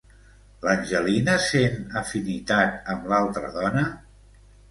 L'Angelina sent afinitat amb l'altra dona?